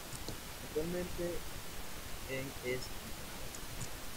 Actualmente en es entrenador.